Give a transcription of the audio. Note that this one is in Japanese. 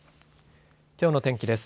きょうの天気です。